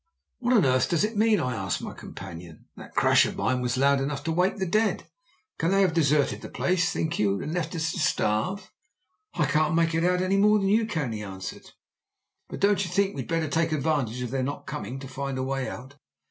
"What on earth does it mean?" I asked my companion. "That crash of mine was loud enough to wake the dead. Can they have deserted the place, think you, and left us to starve?" "I can't make it out any more than you can," he answered. "But don't you think we'd better take advantage of their not coming to find a way out?"